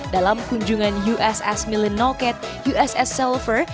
dalam kunjungan uss millinocket uss selver